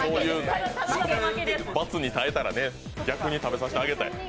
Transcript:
罰に耐えたら逆に食べさせてあげたい。